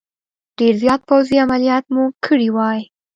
ډېر زیات پوځي عملیات مو کړي وای.